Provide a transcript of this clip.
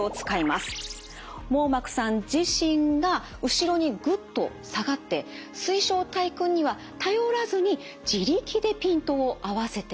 網膜さん自身が後ろにグッと下がって水晶体くんには頼らずに自力でピントを合わせてしまうんです。